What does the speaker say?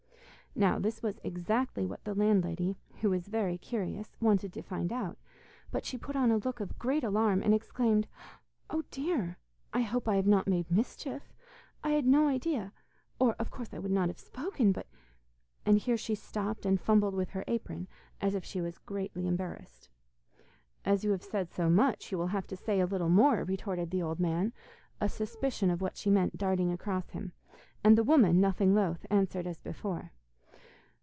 Now this was exactly what the landlady, who was very curious, wanted to find out; but she put on a look of great alarm, and exclaimed: 'Oh, dear! I hope I have not made mischief. I had no idea or, of course, I would not have spoken but' and here she stopped and fumbled with her apron, as if she was greatly embarrassed. 'As you have said so much you will have to say a little more,' retorted the old man, a suspicion of what she meant darting across him; and the woman, nothing loth, answered as before.